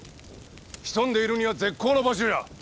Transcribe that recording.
潜んでいるには絶好の場所じゃ！